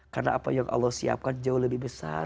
karena apa yang allah siapkan jauh lebih besar